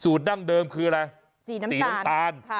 ดั้งเดิมคืออะไรสีน้ำสีน้ำตาล